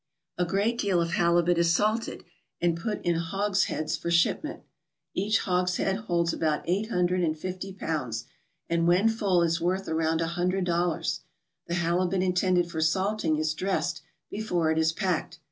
A great deal of halibut is salted and put in hogsheads for shipment. Each hogshead holds about eight hundred and fifty pounds, and when full is worth around a hundred dollars. The halibut intended for salting is dressed before it is packed.